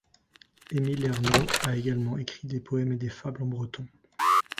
Émile Ernault a aussi écrit de poèmes et des fables en breton.